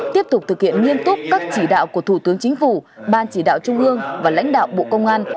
tiếp tục thực hiện nghiêm túc các chỉ đạo của thủ tướng chính phủ ban chỉ đạo trung ương và lãnh đạo bộ công an